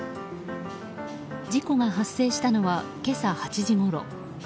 事故が発生したのは今朝８時ごろ。